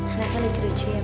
ada apa lucu lucunya pak